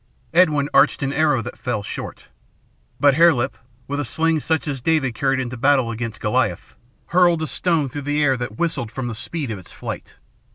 Edwin arched an arrow that fell short. But Hare Lip, with a sling such as David carried into battle against Goliath, hurled a stone through the air that whistled from the speed of its flight.